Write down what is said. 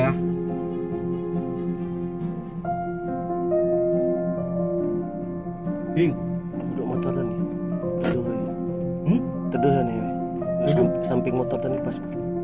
hai terdiri sampai motornya pas